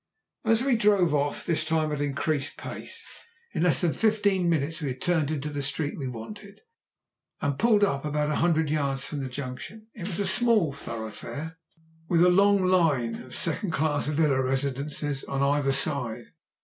Again we drove off, this time at increased pace. In less than fifteen minutes we had turned into the street we wanted, and pulled up about a hundred yards from the junction. It was a small thoroughfare, with a long line of second class villa residences on either side.